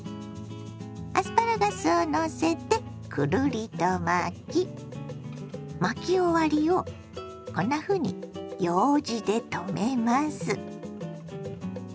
アスパラガスをのせてくるりと巻き巻き終わりをこんなふうにようじでとめます。